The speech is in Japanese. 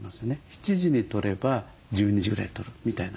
７時にとれば１２時ぐらいにとるみたいな感じ。